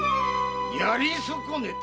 殺り損ねた？